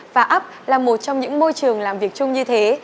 và up là một trong những môi trường làm việc chung như thế